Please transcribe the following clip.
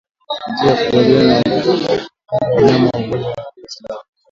Njia ya kukabiliana na ugonjwa wa mapafu ni kutenga wanyama wagonjwa na walio salama